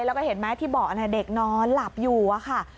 แล้วก็เห็นไหมที่เบาะเด็กนอนหลับอยู่อะค่ะ